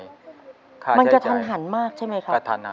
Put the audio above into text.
มันกระทันหันมากใช่ไหมครับ